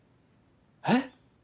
えっ？